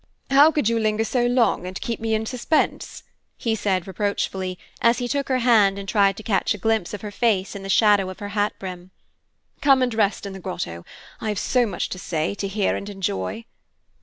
"How could you linger so long, and keep me in suspense?" he said reproachfully, as he took her hand and tried to catch a glimpse of her face in the shadow of her hat brim. "Come and rest in the grotto. I have so much to say, to hear and enjoy."